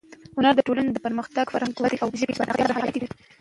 هنر د ټولنې د پرمختګ، فرهنګي ودې او ژبې د پراختیا لپاره حیاتي دی.